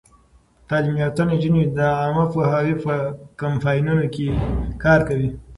تعلیم یافته نجونې د عامه پوهاوي په کمپاینونو کې کار کوي.